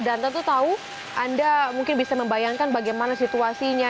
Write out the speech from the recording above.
dan tentu tahu anda mungkin bisa membayangkan bagaimana situasinya